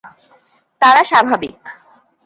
তারা স্বাভাবিক।